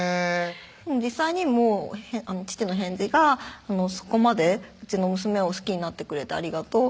実際にも父の返事が「そこまでうちの娘を好きになってくれてありがとう」